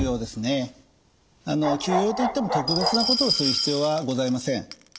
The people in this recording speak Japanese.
休養といっても特別なことをする必要はございません。